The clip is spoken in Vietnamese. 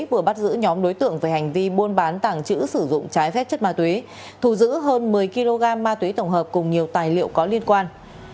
vừa bắt giữ nhóm đối tượng về hành vi buôn bán tàng trữ sử dụng trái phép chất ma túy thù giữ hơn một mươi kg ma túy tổng hợp cùng nhiều tài liệu có liên quan